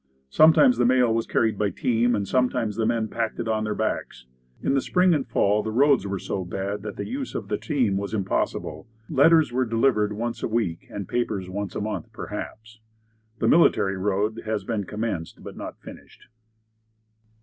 Sometimes the mail was carried by team and sometimes the men packed it on their backs. In the spring and fall the roads were so bad that the use of the team was impossible. Letters were delivered once a week and papers once a month, perhaps. The military road had been commenced but not finished.